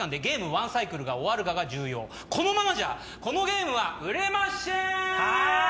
１サイクルが終わるかが重要このままじゃこのゲームは売れましぇんはあ？